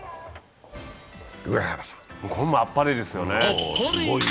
これもあっぱれですよね。